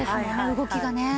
動きがね。